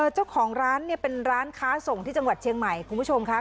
เจ้าของร้านเป็นร้านค้าส่งที่จังหวัดเชียงใหม่คุณผู้ชมค่ะ